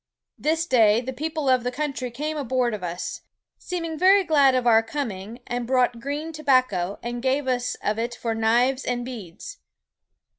This day the people of the country came aboard of us, seeming very glad of our comming, and brought greene tobacco, and gave us of it for knives and beads.